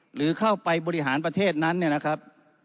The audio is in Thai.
หรือเข้าไปบริหารประเทศนั้นเนี่ยนะครับ